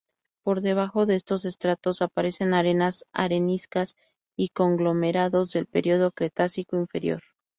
Por debajo de estos estratos aparecen arenas, areniscas y conglomerados del periodo Cretácico Inferior.